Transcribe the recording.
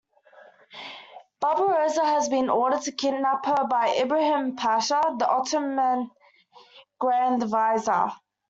Barbarossa had been ordered to kidnap her by Ibrahim Pasha, the Ottoman Grand Vizier.